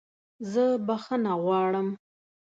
زه بخښنه غواړم!